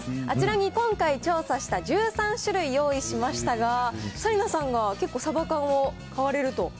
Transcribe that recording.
あちらに今回調査した１３種類用意しましたが、紗理奈さんは結構サバ缶を買われると。